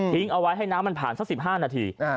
เอาไว้ให้น้ำมันผ่านสัก๑๕นาที